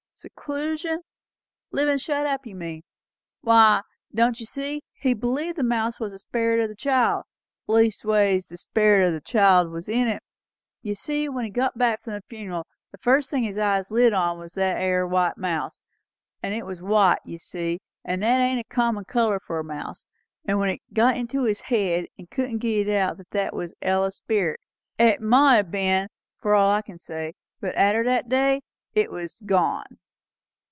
"Seclusion? Livin' shut up, you mean? Why, don't ye see, he believed the mouse was the sperrit o' the child leastways the sperrit o' the child was in it. You see, when he got back from the funeral the first thing his eyes lit upon was that ere white mouse; and it was white, you see, and that ain't a common colour for a mouse; and it got into his head, and couldn't get out, that that was Ella's sperrit. It mought ha' ben, for all I can say; but arter that day, it was gone."